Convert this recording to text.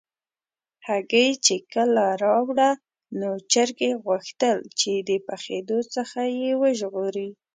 هګۍ چې کله راوړه، نو چرګې غوښتل چې د پخېدو څخه یې وژغوري.